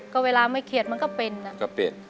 ก็เวลาไม่เครียดมันก็เป็นก็เป็น